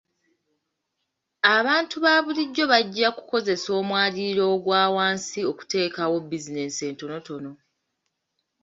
Abantu ba bulijjo bajja kukozesa omwaliriro ogwa wansi okuteekawo bizinensi entonotono.